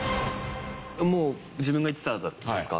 もう自分が行ってたらですか？